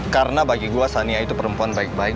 karena bagi gue sania itu perempuan baik baik